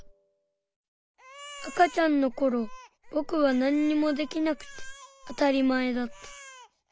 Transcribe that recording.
赤ちゃんのころぼくはなんにもできなくてあたりまえだった。